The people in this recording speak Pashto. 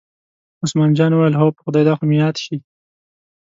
عثمان جان وویل: هو په خدای دا خو مې یاد شي.